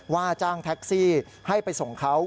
ว่าจ้างแท็กซี่ให้ไปส่งเขา